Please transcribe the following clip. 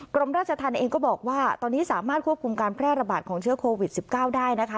กรมราชธรรมเองก็บอกว่าตอนนี้สามารถควบคุมการแพร่ระบาดของเชื้อโควิด๑๙ได้นะคะ